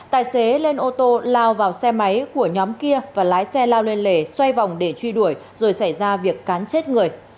tài xế lên ô tô lao vào xe máy của nhóm kia và lái xe lao lên lề xoay vòng để truy đuổi rồi xảy ra việc cán chết người